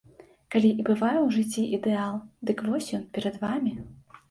Калі і бывае ў жыцці ідэал, дык вось ён, перад вамі.